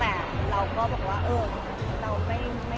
พี่เอ็มเค้าเป็นระบองโรงงานหรือเปลี่ยนไงครับ